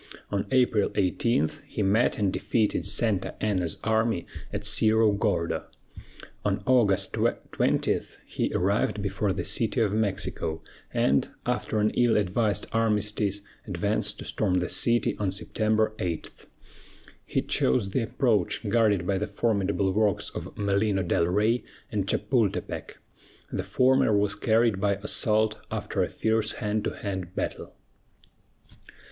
On April 18 he met and defeated Santa Anna's army at Cerro Gordo. On August 20 he arrived before the City of Mexico, and, after an ill advised armistice, advanced to storm the city on September 8. He chose the approach guarded by the formidable works of Malino del Rey and Chapultepec. The former was carried by assault, after a fierce hand to hand battle.